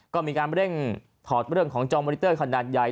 ก็มีการเร่งถอดเรื่องของจอมมอนิเตอร์ขนาดใหญ่